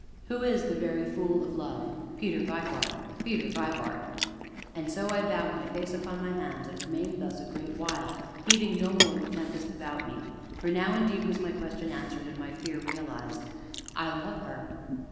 Who is the very Fool of Love? Peter Vibart! Peter Vibart!" And so I bowed my face upon my hands, and remained thus a great while, heeding no more the tempest about me. For now indeed was my question answered, and my fear realized. "I love her!